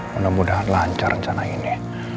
mudah mudahan lancar rencana ini